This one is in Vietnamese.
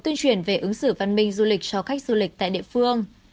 tuyên truyền về ứng xử văn minh du lịch cho khách du lịch tại địa phương